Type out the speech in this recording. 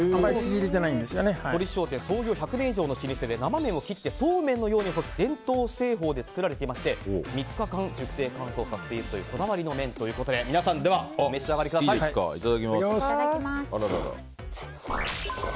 鳥志商店は創業１００年以上の老舗で生麺を切ってそうめんのように干す伝統製法で作られていまして３日間熟成乾燥させているというこだわりの麺ということでいただきます。